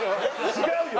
違うよ！